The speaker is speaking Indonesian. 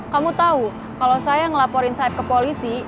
kamu tau kalau saya ngelaporin saeb ke polisi